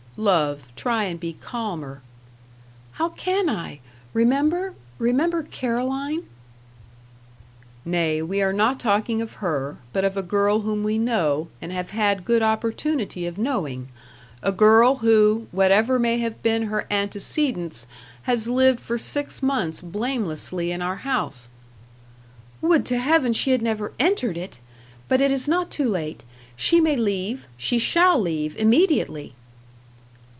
"Love, try and be calmer." "How can I? Remember remember Caroline." "Nay, we are not talking of her, but of a girl whom we know, and have had good opportunity of knowing. A girl, who, whatever may have been her antecedents, has lived for six months blamelessly in our house." "Would to Heaven she had never entered it! But it is not too late. She may leave she shall leave, immediately."